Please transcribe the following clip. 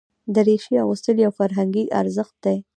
دریشي اغوستل یو فرهنګي ارزښت دی.